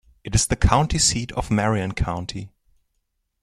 It is the county seat of Marion County.